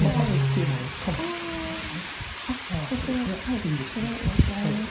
切りでした。